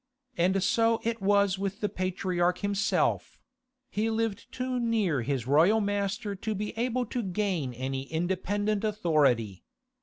And so it was with the patriarch himself: he lived too near his royal master to be able to gain any independent authority.